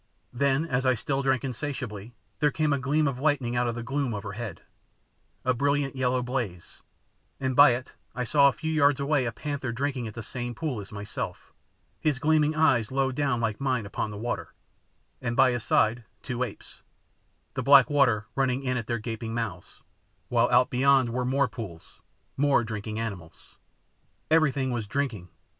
Then, as I still drank insatiably, there came a gleam of lightning out of the gloom overhead, a brilliant yellow blaze, and by it I saw a few yards away a panther drinking at the same pool as myself, his gleaming eyes low down like mine upon the water, and by his side two apes, the black water running in at their gaping mouths, while out beyond were more pools, more drinking animals. Everything was drinking.